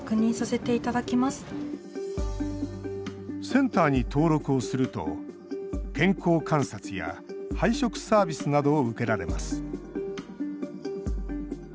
センターに登録をすると健康観察や配食サービスなどを受けられます。